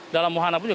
dalam wahana pun juga